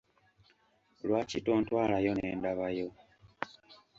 Lwaki tontwalayo nendabayo?